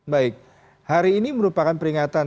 baik hari ini merupakan peringatan